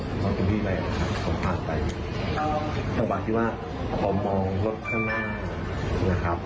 ผมผ่านรถของคุณพี่ไปนะครับผมผ่านไปจังหวะที่ว่าผมมองรถข้างล่างนะครับ